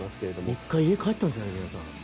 １回家に帰ってますかね皆さん？